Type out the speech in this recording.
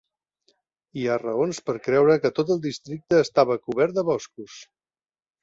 Hi ha raons per creure que tot el districte estava cobert de boscos.